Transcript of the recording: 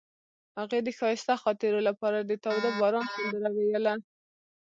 هغې د ښایسته خاطرو لپاره د تاوده باران سندره ویله.